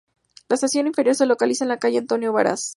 La estación inferior se localiza en la calle Antonio Varas.